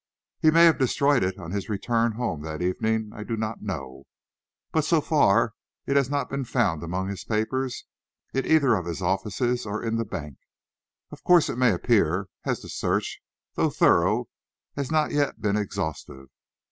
"He may have destroyed it on his return home that evening. I do not know. But so far it has not been found among his papers in either of his offices or in the bank. Of course it may appear, as the search, though thorough, has not yet been exhaustive.